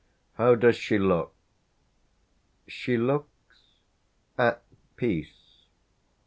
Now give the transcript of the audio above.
"How does she look?" "She looks at peace."